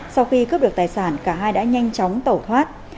sau khi cướp được tài sản cả hai đã nhanh chóng tẩu thoát